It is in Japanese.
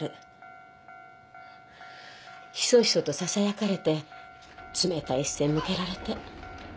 ひそひそとささやかれて冷たい視線向けられて。